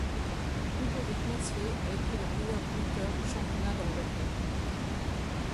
Ludovic Mercier a été le meilleur buteur du Championnat d'Angleterre.